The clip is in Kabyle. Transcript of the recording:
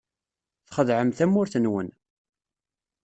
Txedɛem tamurt-nwen.